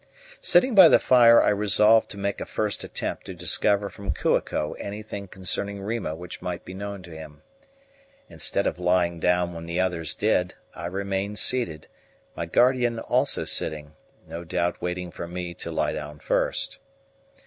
Sitting by the fire I resolved to make a first attempt to discover from Kua ko anything concerning Rima which might be known to him. Instead of lying down when the others did, I remained seated, my guardian also sitting no doubt waiting for me to lie down first.